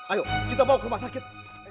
ayo kita bawa ke rumah sakit